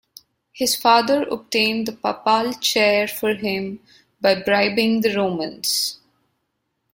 His father obtained the Papal chair for him by bribing the Romans.